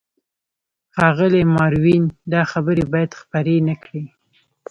ښاغلی ماروین، دا خبرې باید خپرې نه کړې.